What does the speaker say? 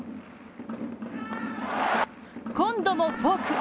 今度もフォーク。